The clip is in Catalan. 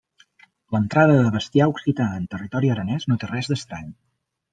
L'entrada de bestiar occità en territori aranès no té res d'estrany.